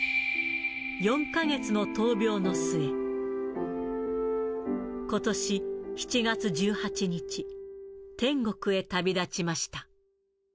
４か月の闘病の末、ことし７月１８日、天国へ旅立ちました。